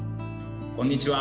こんにちは。